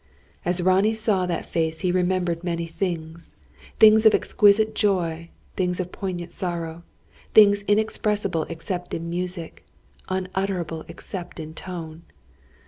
As Ronnie saw that face he remembered many things things of exquisite joy, things of poignant sorrow; things inexpressible except in music, unutterable except in tone.